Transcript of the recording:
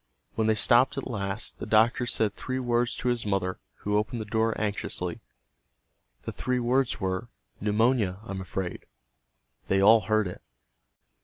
When they stopped at last, the doctor said three words to his mother, who opened the door anxiously. The three words were, "Pneumonia, I'm afraid." They all heard it.